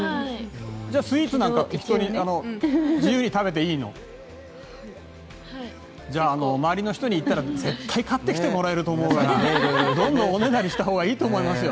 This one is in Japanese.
じゃあスイーツとか自由に適当に食べていいの？じゃあ周りの人に言ったら絶対買ってきてもらえると思うからどんどんおねだりしたほうがいいと思いますよ。